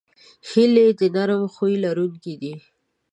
هیلۍ د نرمه خوی لرونکې ده